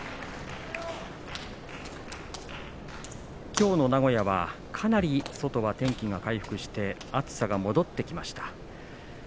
きょうの名古屋はかなり外は天気が回復して暑さが戻ってきました。